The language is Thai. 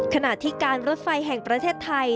ขณะที่การรถไฟแห่งประเทศไทย